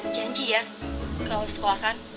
janji ya kalau sekolahkan